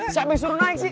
siapa yang suruh naik sih